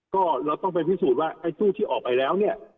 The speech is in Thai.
ก็เราต้องไปพิสูจน์ว่าไอ้ตู้ที่ออกไปแล้วเนี่ย